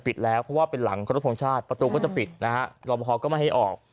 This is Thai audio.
แล้วเพราะว่าเป็นหลังครบทรงชาติประตูก็จะปิดนะฮะรอปภก็ไม่ให้ออก